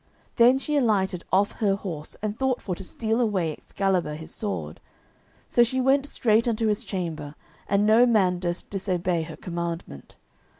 Then she alighted off her horse, and thought for to steal away Excalibur his sword. So she went straight unto his chamber, and no man durst disobey her commandment.